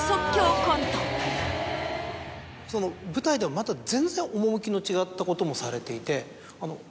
その舞台でもまた全然趣の違ったこともされていて。